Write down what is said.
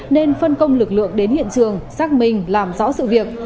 nên phân công lực lượng đến hiện trường xác minh làm rõ sự việc